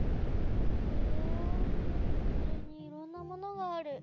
へえそれにいろんなものがある。